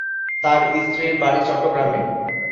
তার স্ত্রীর বাড়ি চট্টগ্রামে।